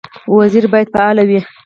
وزیر باید فعال وي